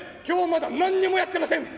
まだ何にもやってません！